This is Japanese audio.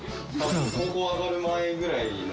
高校上がる前ぐらいの。